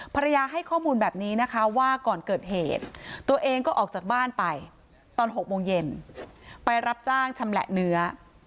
ภรรยาให้ข้อมูลแบบนี้นะคะว่าก่อนเกิดเหตุตัวเองก็ออกจากบ้านไปตอน๖โมงเย็นไปรับจ้างชำแหละเนื้อ